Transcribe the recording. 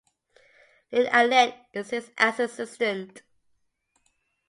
Lynn Allen is his assistant.